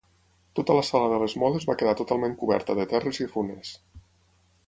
Tota la sala de les moles va quedar totalment coberta de terres i runes.